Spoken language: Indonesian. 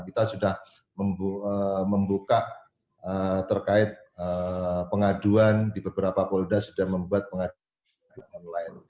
kita sudah membuka terkait pengaduan di beberapa polda sudah membuat pengaduan online